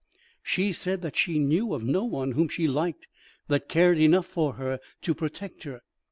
"She said that she knew of no one, whom she liked, that cared enough for her to protect her.